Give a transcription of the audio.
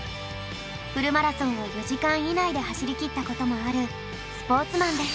フルマラソンを４時間以内で走りきったこともあるスポーツマンです。